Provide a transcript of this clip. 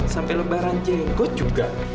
sampai lebaran jenggot juga